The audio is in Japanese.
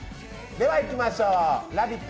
ではいきましょう、「ラヴィット！」